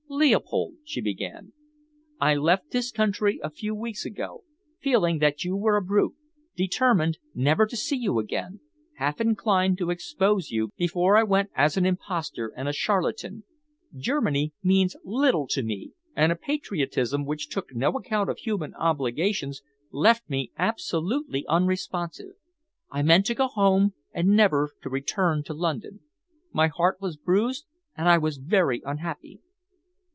"Leopold," she began, "I left this country a few weeks ago, feeling that you were a brute, determined never to see you again, half inclined to expose you before I went as an impostor and a charlatan. Germany means little to me, and a patriotism which took no account of human obligations left me absolutely unresponsive. I meant to go home and never to return to London. My heart was bruised, and I was very unhappy."